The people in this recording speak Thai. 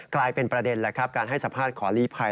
กลายเป็นประเด็นแล้วครับการให้สัมภาษณ์ขอลีภัย